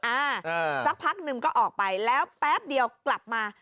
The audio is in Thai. อ่าสักพักหนึ่งก็ออกไปแล้วแป๊บเดียวกลับมา